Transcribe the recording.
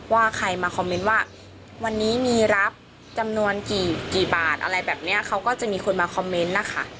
ว่าใครมาคอมเมนต์ว่าวันนี้มีรับจำนวนกี่บาทอะไรแบบนี้เขาก็จะมีคนมาคอมเมนต์นะคะ